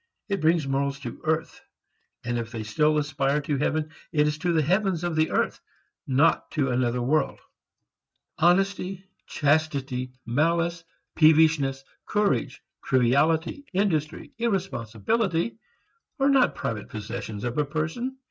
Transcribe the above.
It brings morals to earth, and if they still aspire to heaven it is to the heavens of the earth, and not to another world. Honesty, chastity, malice, peevishness, courage, triviality, industry, irresponsibility are not private possessions of a person.